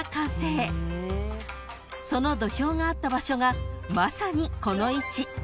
［その土俵があった場所がまさにこの位置］